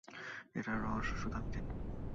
এটার রহস্য শুধু আমি জানি।